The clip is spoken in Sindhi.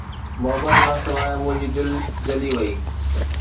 محبت کان سواءِ منهنجي دل جلي وئي